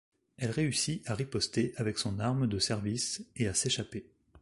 Elle réussit à riposter avec son arme de service et à s’échapper.